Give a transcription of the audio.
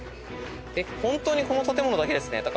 本当にこの建物だけですね高いの。